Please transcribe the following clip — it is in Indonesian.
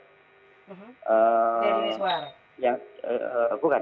dari suatu hal